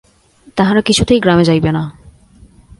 তাহারা কিছুতেই গ্রামে যাইবে না।